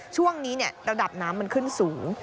ช่วงนี้ระดับน้ำมันขึ้นสูง